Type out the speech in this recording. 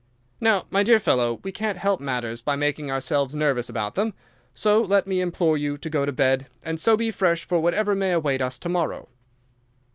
Now, my dear fellow, we can't help matters by making ourselves nervous about them, so let me implore you to go to bed and so be fresh for whatever may await us to morrow."